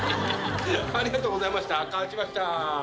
ありがとうございました勝ちました！